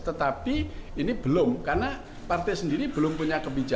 tetapi ini belum karena partai sendiri belum punya kebijakan